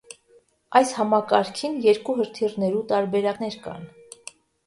Այս համակարքին երկու հրթիռներու տարբերակներ կան։